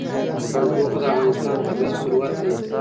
تودوخه د افغانستان طبعي ثروت دی.